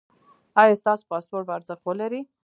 ایا ستاسو پاسپورت به ارزښت ولري؟